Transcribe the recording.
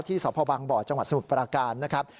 ที่สพบจังหวัดสมุทรปราการนะครับ